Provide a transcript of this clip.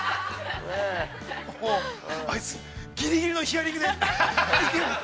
◆あいつ、ぎりぎりのヒアリングで。